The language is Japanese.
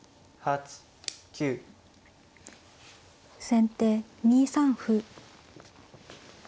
先手２三歩。